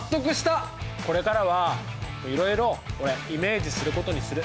これからはいろいろ俺イメージすることにする。